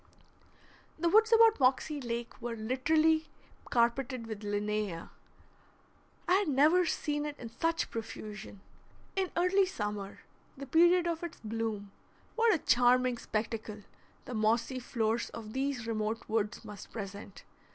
The woods about Moxie Lake were literally carpeted with Linnæa. I had never seen it in such profusion. In early summer, the period of its bloom, what a charming spectacle the mossy floors of these remote woods must present!